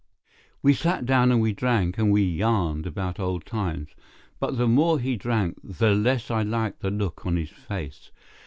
We sat down and we drank and we yarned about old times, but the more he drank the less I liked the look on his face.